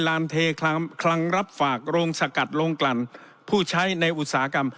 ลานเทคลังรับฝากโรงสกัดโรงกลั่นผู้ใช้ในอุตสาหกรรม